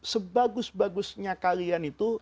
sebagus bagusnya kalian itu